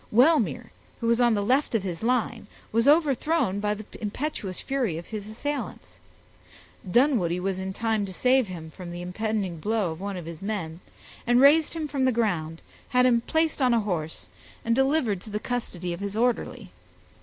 Wellmere, who was on the left of his line, was overthrown by the impetuous fury of his assailants. Dunwoodie was in time to save him from the impending blow of one of his men, and raised him from the ground, had him placed on a horse, and delivered to the custody of his orderly.